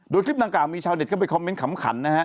โดยคลิปดังกล่าวมีชาวเน็ตเข้าไปคอมเมนต์ขำขันนะฮะ